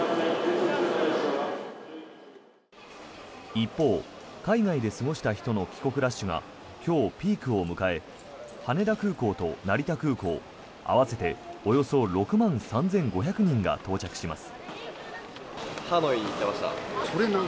一方、海外で過ごした人の帰国ラッシュが今日、ピークを迎え羽田空港と成田空港合わせておよそ６万３５００人が到着します。